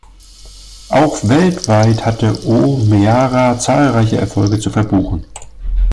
Auch weltweit hatte O’Meara zahlreiche Erfolge zu verbuchen.